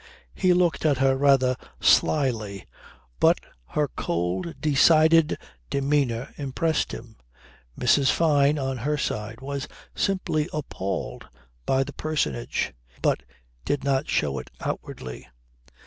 He looked at her rather slyly but her cold, decided demeanour impressed him. Mrs. Fyne on her side was simply appalled by the personage, but did not show it outwardly.